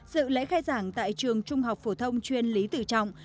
dự lễ khai giảng tại trường trung học phổ thông chuyên lý tự trọng